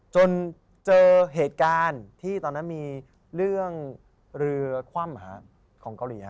จนเจอเหตุการณ์ที่ตอนนั้นมีเรื่องเรือคว่ำของเกาหลี